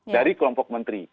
dari kelompok menteri